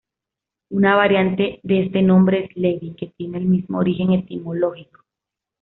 Una variante de este nombre es "Levy", que tiene el mismo origen etimológico.